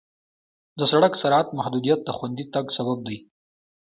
د سړک سرعت محدودیت د خوندي تګ سبب دی.